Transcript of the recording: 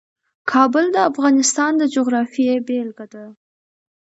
کابل د افغانستان د جغرافیې بېلګه ده.